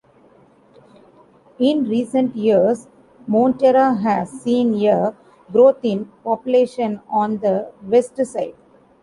In recent years, Monteria has seen a growth in population on the west side.